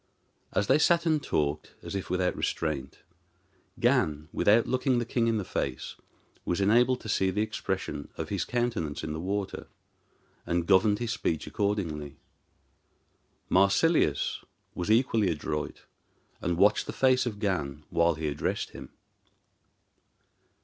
As they sat and talked, as if without restraint, Gan, without looking the king in the face, was enabled to see the expression of his countenance in the water, and governed his speech accordingly. Marsilius was equally adroit, and watched the face of Gan while he addressed him.